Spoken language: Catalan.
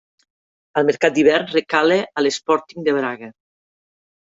Al mercat d'hivern recala a l'Sporting de Braga.